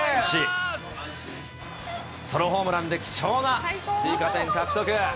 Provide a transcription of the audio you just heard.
ソロホームランで貴重な追加点獲得。